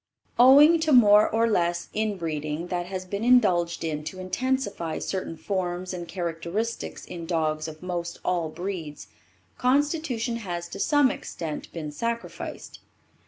Owing to more or less inbreeding that has been indulged in to intensify certain forms and characteristics in dogs of most all breeds, constitution has to some extent been sacrificed.